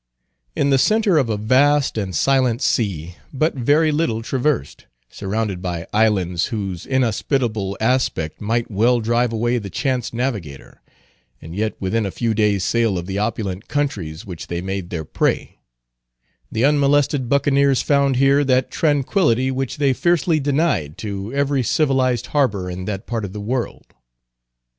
In the centre of a vast and silent sea, but very little traversed—surrounded by islands, whose inhospitable aspect might well drive away the chance navigator—and yet within a few days' sail of the opulent countries which they made their prey—the unmolested Buccaneers found here that tranquillity which they fiercely denied to every civilized harbor in that part of the world.